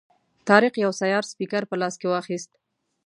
طارق یو سیار سپیکر په لاس کې واخیست.